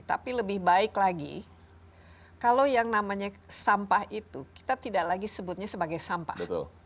tapi lebih baik lagi kalau yang namanya sampah itu kita tidak lagi sebutnya sebagai sampah